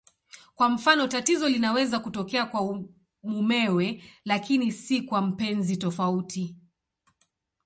Kwa mfano, tatizo linaweza kutokea kwa mumewe lakini si kwa mpenzi tofauti.